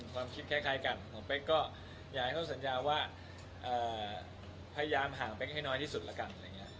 ความคิดคล้ายกันของเป๊กก็อยากให้เขาสัญญาว่าพยายามห่างเป๊กให้น้อยที่สุดแล้วกันอะไรอย่างนี้